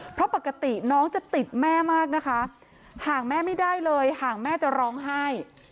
เพราะปกติน้องจะติดแม่มากนะคะห่างแม่ไม่ได้เลยห่างแม่จะร้องไห้